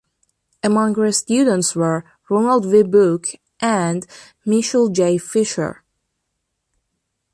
Among her students were Ronald V. Book and Michael J. Fischer.